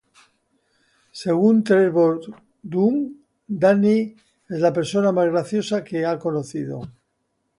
Según Trevor Dunn, Danny es la persona más graciosa que ha conocido.